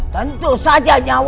tentu saja nyawamu